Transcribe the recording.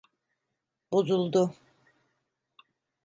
Bozuldu.